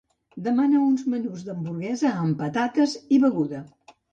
Demana uns menús d'hamburguesa amb patates i beguda.